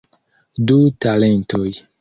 Du talentoj.